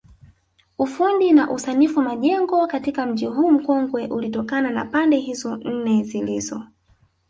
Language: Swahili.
Ufundi na usanifu majengo katika mji huu mkongwe ulitokana na pande hizo nne zilizo